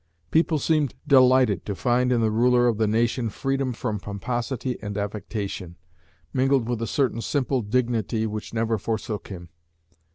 People seemed delighted to find in the ruler of the nation freedom from pomposity and affectation, mingled with a certain simple dignity which never forsook him.